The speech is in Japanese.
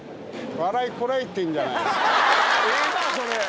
「笑いこらえてんじゃない？」